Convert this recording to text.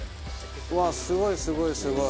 うわあすごいすごいすごい。